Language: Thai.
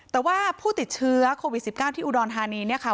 แต่ว่าผู้ติดเชื้อโควิด๑๙ที่อุดรธานีเนี่ยค่ะ